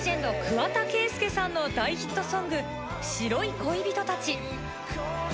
桑田佳祐さんの大ヒットソング『白い恋人達』。